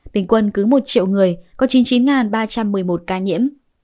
bình quân cứ một triệu người có chín mươi chín ba trăm một mươi một ca nhiễm